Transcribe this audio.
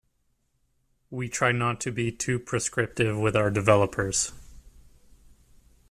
We try not to be too prescriptive with our developers.